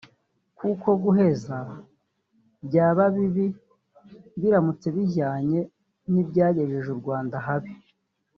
kuko guheza byaba bibi biramutse bijyanye n’ibyagejeje u Rwanda ahabi